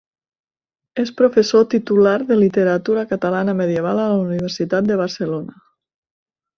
És professor titular de literatura catalana medieval a la Universitat de Barcelona.